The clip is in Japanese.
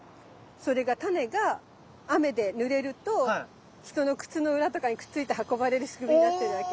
それがタネが雨でぬれると人の靴の裏とかにくっついて運ばれる仕組みになってるわけ。